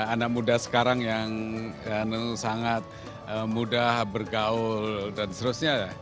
anak muda sekarang yang sangat mudah bergaul dan seterusnya